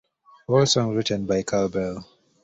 All songs written by Carl Bell.